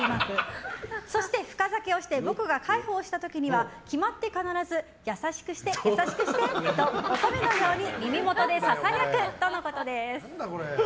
そして深酒をして僕が介抱した時には決まって必ず優しくして優しくしてと乙女のように耳元でささやくとのことです。